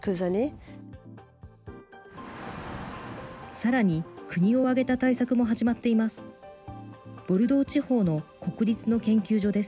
さらに国を挙げた対策も始まっています。